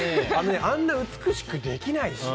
あんな美しくできないし。